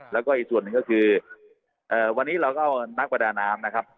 แล้วก็อีกส่วนหนึ่งก็คือวันนี้เราก็เอานักประดาน้ำนะครับ